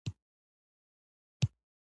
د هرات په اوبې کې د څه شي نښې دي؟